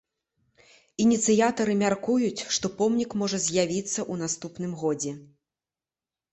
Ініцыятары мяркуюць, што помнік можа з'явіцца ў наступным годзе.